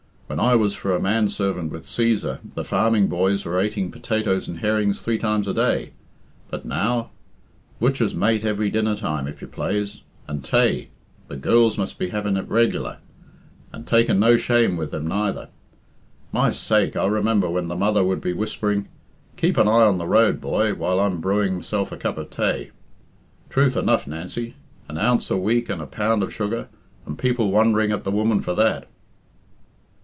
When I was for a man servant with Cæsar the farming boys were ateing potatoes and herrings three times a day. But now! butcher's mate every dinner time, if you plaze. And tay! the girls must be having it reg'lar and taking no shame with them neither. My sake, I remember when the mother would be whispering, 'Keep an eye on the road, boy, while I'm brewing myself a cup of tay.' Truth enough, Nancy. An ounce a week and a pound of sugar, and people wondering at the woman for that."